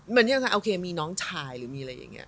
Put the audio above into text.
เหมือนยังไงโอเคมีน้องชายหรือมีอะไรอย่างเงี้ย